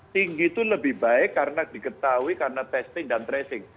tinggi itu lebih baik karena diketahui karena testing dan tracing